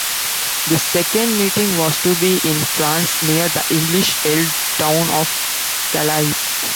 This second meeting was to be in France, near the English-held town of Calais.